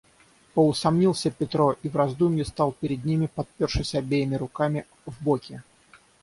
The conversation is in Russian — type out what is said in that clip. Поусомнился Петро и в раздумьи стал перед ними, подпершись обеими руками в боки.